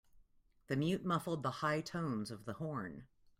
The mute muffled the high tones of the horn.